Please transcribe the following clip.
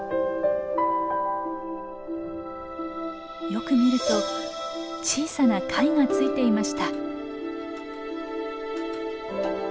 よく見ると小さな貝がついていました。